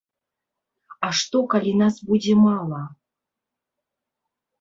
А што калі нас будзе мала?